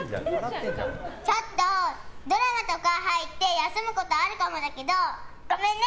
ちょっとドラマとか入って休むことがあるかもだけどごめんね！